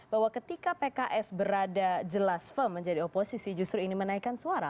bahwa ketika pks berada jelas firm menjadi oposisi justru ini menaikkan suara